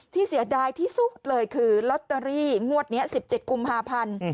เสียดายที่สุดเลยคือลอตเตอรี่งวดนี้๑๗กุมภาพันธ์